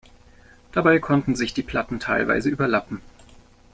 Dabei konnten sich die Platten teilweise überlappen.